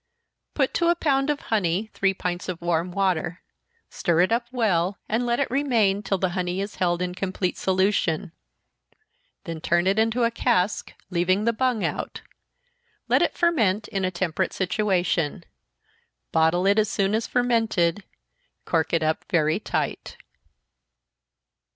_ Put to a pound of honey three pints of warm water stir it up well, and let it remain till the honey is held in complete solution then turn it into a cask, leaving the bung out. Let it ferment in a temperate situation bottle it as soon as fermented, cork it up very tight.